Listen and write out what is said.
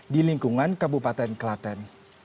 di lingkungan kabupaten kelaten